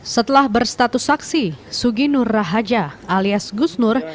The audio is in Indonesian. setelah berstatus saksi suginur raharja alias gusnur